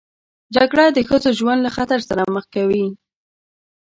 جګړه د ښځو ژوند له خطر سره مخ کوي